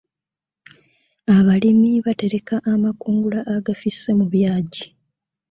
Abalimi batereka amakungula agafisse mu byagi.